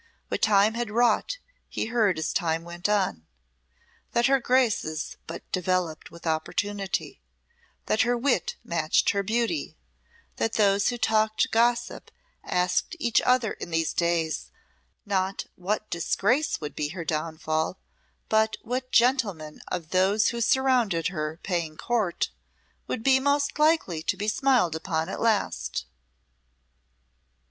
What time had wrought he heard as time went on that her graces but developed with opportunity, that her wit matched her beauty, that those who talked gossip asked each other in these days, not what disgrace would be her downfall, but what gentleman of those who surrounded her, paying court, would be most likely to be smiled upon at last.